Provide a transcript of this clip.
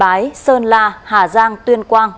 bái sơn la hà giang tuyên quang